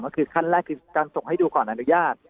ก็คือขั้นแรกคือการส่งให้ดูก่อนอนุญาต